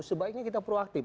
sebaiknya kita proaktif